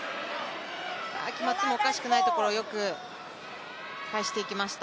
決まってもおかしくないところをよく返していきました。